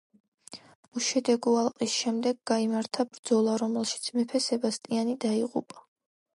უშედეგო ალყის შემდეგ გაიმართა ბრძოლა, რომელშიც მეფე სებასტიანი დაიღუპა.